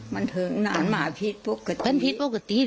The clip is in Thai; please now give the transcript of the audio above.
มันเถิงน้านมาพีชพวกฟุกตี